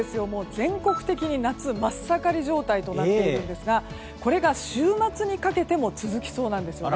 全国的に夏真っ盛り状態となっているんですがこれが週末にかけても続きそうなんです。